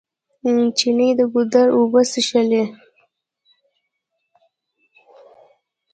چڼې د ګودر اوبه څښلې.